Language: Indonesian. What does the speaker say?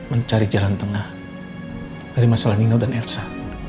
mencari jalan tengah dari masalah nino dan ersa